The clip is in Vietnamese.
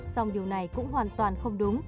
xong điều này cũng hoàn toàn không đúng